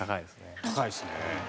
高いですね。